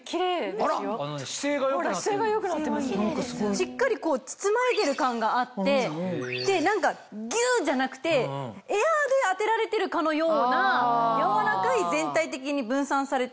しっかりこう包まれてる感があってで何かギュウじゃなくてエアーで当てられてるかのような柔らかい全体的に分散されて。